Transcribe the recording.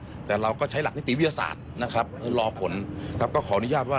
ทีนี้ก็ไม่อยากจะให้ขอมูลอะไรมากนะกลัวจะเป็นการตอกย้ำเสียชื่อเสียงให้กับครอบครัวของผู้เสียหายนะคะ